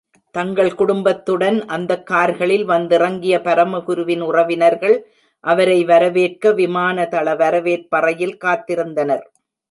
தங்கள் குடும்பத்துடன் அந்தக் கார்களில் வந்திறங்கிய பரமகுருவின் உறவினர்கள், அவரை வரவேற்க விமானதள வரவேற்பறையில் காத்திருந்தனர்.